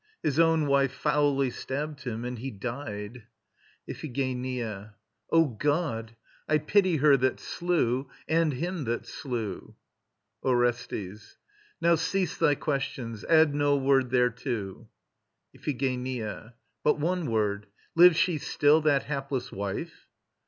His own wife foully stabbed him, and he died. IPHIGENIA. O God! I pity her that slew ... and him that slew. ORESTES. Now cease thy questions. Add no word thereto. IPHIGENIA. But one word. Lives she still, that hapless wife?